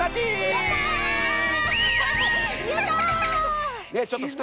わやった！